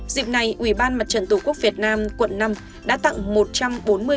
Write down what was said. dịp này ubnd tqvn quận năm đã tặng một trăm bốn mươi phần quà